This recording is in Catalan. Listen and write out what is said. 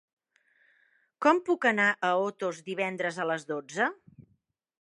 Com puc anar a Otos divendres a les dotze?